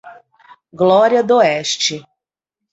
Glória d'Oeste